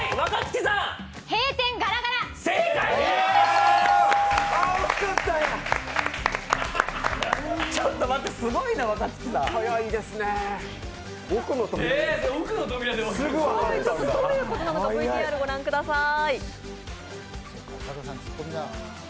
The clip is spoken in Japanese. どういうことなのかＶＴＲ御覧ください。